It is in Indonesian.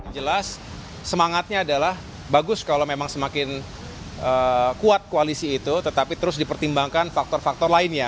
jelas semangatnya adalah bagus kalau memang semakin kuat koalisi itu tetapi terus dipertimbangkan faktor faktor lainnya